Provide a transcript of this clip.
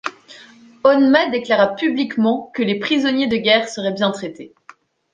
Honma déclara publiquement que les prisonniers de guerre seraient bien traités.